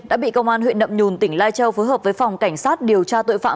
đã bị công an huyện nậm nhùn tỉnh lai châu phối hợp với phòng cảnh sát điều tra tội phạm